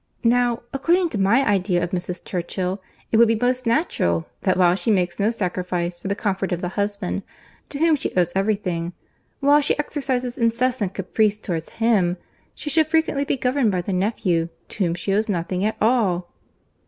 Now, according to my idea of Mrs. Churchill, it would be most natural, that while she makes no sacrifice for the comfort of the husband, to whom she owes every thing, while she exercises incessant caprice towards him, she should frequently be governed by the nephew, to whom she owes nothing at all."